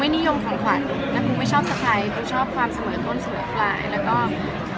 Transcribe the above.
ต้องแต่หน่อยก็ไรกูไม่นิยมถังขวัดไม่ชอบสไตล์ความเสมอต้นเสมอฟลาย